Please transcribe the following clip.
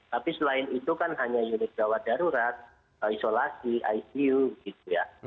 tapi selain itu kan hanya unit gawat darurat isolasi icu gitu ya